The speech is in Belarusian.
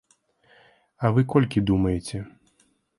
А вы колькі думаеце?